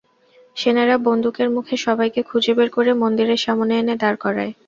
সেনারা বন্দুকের মুখে সবাইকে খুঁজে বের করে মন্দিরের সামনে এনে দাঁড় করায়।